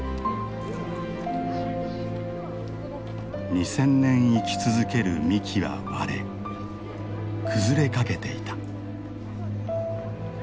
２，０００年生き続ける幹は割れ崩れかけていた。